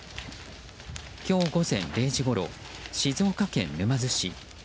今日午前０時ごろ静岡県沼津市。